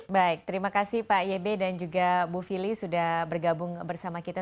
baik terima kasih pak yebe dan juga bu fili sudah bergabung bersama kita